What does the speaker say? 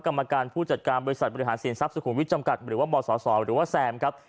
กรรมการผู้จัดการบริษัทบริหารสินทรัพย์สุขุมวิทย์จำกัดหรือว่าบศหรือว่าแซมครับ